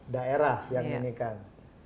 daerah yang ini kan